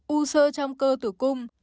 u sơ trong cơ tử cung